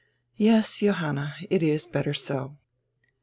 "Yes, Johanna, it is better so."